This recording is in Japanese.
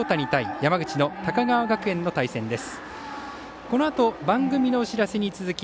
山口の高川学園の対戦です。